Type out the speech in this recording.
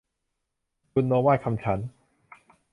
บุณโณวาทคำฉันท์